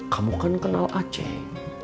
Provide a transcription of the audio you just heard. kamu kan kenal aceh